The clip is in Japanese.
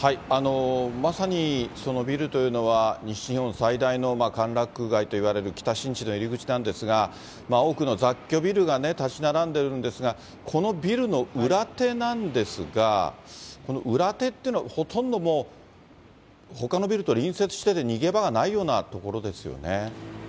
まさに、そのビルというのは西日本最大の歓楽街といわれる北新地の入り口なんですが、多くの雑居ビルが建ち並んでいるんですが、このビルの裏手なんですが、裏手っていうのは、ほとんどもうほかのビルと隣接してて逃げ場がないような所ですよ